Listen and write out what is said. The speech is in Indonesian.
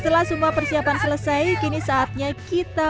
setelah semua persiapan selesai kini saatnya kita